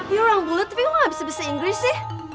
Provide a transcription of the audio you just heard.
ya orang bule tapi kok gak bisa bisa inggris sih